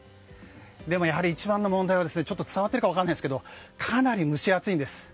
でも、一番の問題は伝わっているか分からないですがかなり蒸し暑いんです。